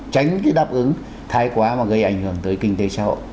tránh cái đáp ứng thái quá mà gây ảnh hưởng tới kinh tế xã hội